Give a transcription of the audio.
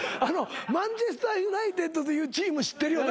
マンチェスター・ユナイテッドというチーム知ってるよな？